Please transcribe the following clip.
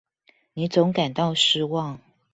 你總感到失望